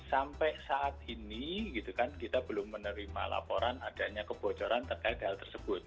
sampai saat ini gitu kan kita belum menerima laporan adanya kebocoran terkait hal tersebut